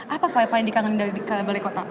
apa pak yang paling dikangenin dari balai kota